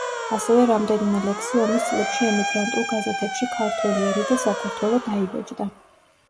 ასევე რამდენიმე ლექსი ომის წლებში ემიგრანტულ გაზეთებში „ქართველი ერი“ და „საქართველო“ დაიბეჭდა.